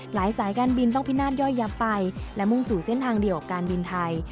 สายการบินต้องพินาศย่อยย้ำไปและมุ่งสู่เส้นทางเดียวกับการบินไทย